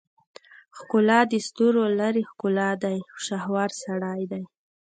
ښکلا دستورولري ښکلی دی شهوار سړی دی